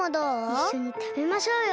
いっしょにたべましょうよ。